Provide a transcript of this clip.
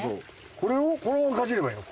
これをこれをかじればいいの？